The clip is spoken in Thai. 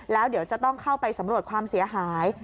แล้วเดี๋ยวจะต้องเข้าไปสำรวจความเสียหาย